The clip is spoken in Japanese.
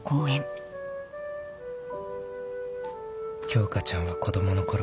［京花ちゃんは子供のころ